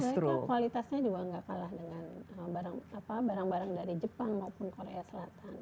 sebenarnya kualitasnya juga nggak kalah dengan barang barang dari jepang maupun korea selatan